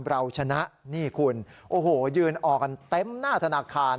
เราชนะนี่คุณโอ้โหยืนออกกันเต็มหน้าธนาคาร